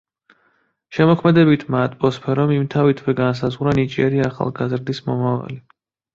შემოქმედებითმა ატმოსფერომ იმთავითვე განსაზღვრა ნიჭიერი ახალგაზრდის მომავალი.